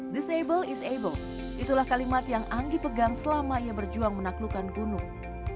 this able is able itulah kalimat yang anggi pegang selama ia berjuang menaklukan gunung